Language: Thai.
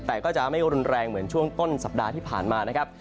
แต่ก็จะไม่รุนแรงเหมือนช่วงต้นสัปดาห์ที่ผ่านมานะครับ